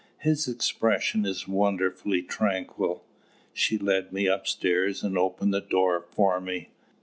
His expression is wonderfully tranquil." She led me upstairs and opened the door for me.